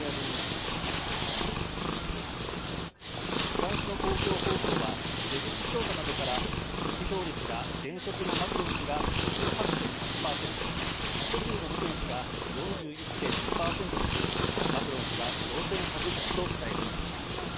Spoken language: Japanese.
フランスの公共放送は、出口調査などから得票率が現職のマクロン氏が５８．８％、極右のルペン氏が４１．２％とし、マクロン氏が当選確実と伝えています。